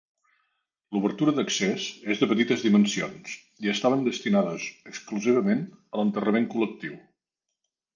L'obertura d'accés és de petites dimensions, i estaven destinades exclusivament a l'enterrament col·lectiu.